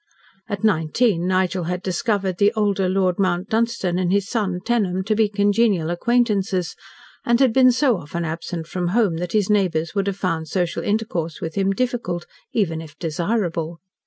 At nineteen Nigel had discovered the older Lord Mount Dunstan and his son Tenham to be congenial acquaintances, and had been so often absent from home that his neighbours would have found social intercourse with him difficult, even if desirable.